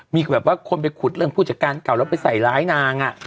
มีแบบว่าคนไปขุดเรื่องผู้จัดการเก่าแล้วไปใส่ร้ายนาง